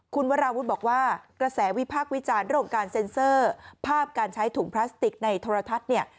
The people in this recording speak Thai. คุณวราวุฒิบอกว่ากระแสวิพากษ์วิจารณ์เรื่องของการเซ็นเซอร์ภาพการใช้ถุงพลาสติกในโทรทัศน์เนี่ย